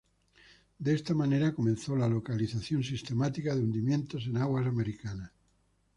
De esta manera, comenzó la localización sistemática de hundimientos en aguas americanas.